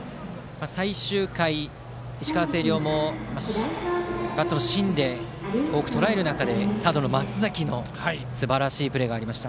最終回、石川・星稜もバットの芯でとらえる中でサードの松崎のすばらしいプレーがありました。